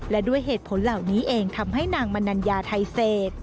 และด้วยเหตุผลเหล่านี้เองทำให้นางมนัญญาไทยเศษ